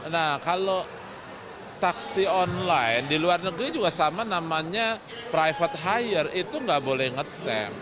nah kalau taksi online di luar negeri juga sama namanya private hire itu nggak boleh ngetem